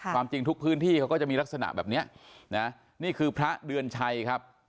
ความจริงทุกพื้นที่เขาก็จะมีลักษณะแบบนี้นะนี่คือพระเดือนชัยครับ